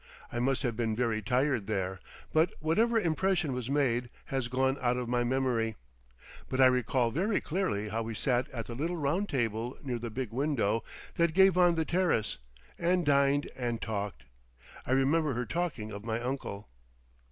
I must have been very tired there, but whatever impression was made has gone out of my memory. But I recall very clearly how we sat at the little round table near the big window that gave on the terrace, and dined and talked. I remember her talking of my uncle.